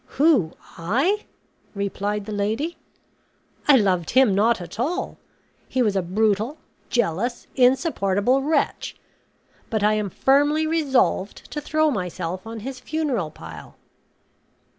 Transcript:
"Who, I?" replied the lady. "I loved him not at all. He was a brutal, jealous, insupportable wretch; but I am firmly resolved to throw myself on his funeral pile."